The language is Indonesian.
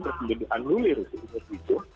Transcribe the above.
terus kemudian dianduli resiko resiko